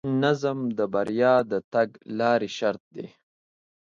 نظم د بریا د تګلارې شرط دی.